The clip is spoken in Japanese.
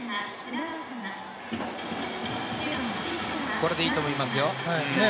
これでいいと思いますよ。